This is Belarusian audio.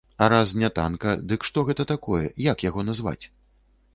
А раз не танка, дык што гэта такое, як яго назваць?